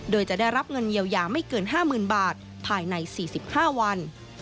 โดยจะได้รับเงินเยียวยาไม่เกิน๕๐๐๐บาทภายใน๔๕วัน